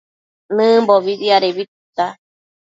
Nëmbobi diadebi tita